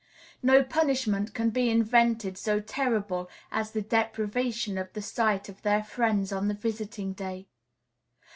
No punishment can be invented so terrible as the deprivation of the sight of their friends on the visiting day.